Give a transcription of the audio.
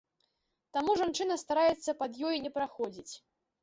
Таму жанчына стараецца пад ёй не праходзіць.